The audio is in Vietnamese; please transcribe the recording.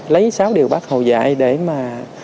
lấy sáu điều bác hồ dạy để mà